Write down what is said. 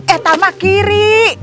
eh sama kiri